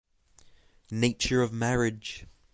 Nature of marriage.